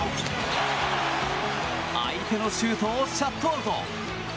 相手のシュートをシャットアウト。